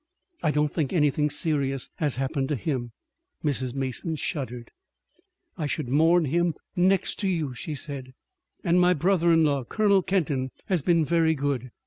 I don't think anything serious has happened to him." Mrs. Mason shuddered. "I should mourn him next to you," she said, "and my brother in law, Colonel Kenton, has been very good.